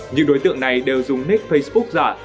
những đối tượng này đều dùng nét facebook giả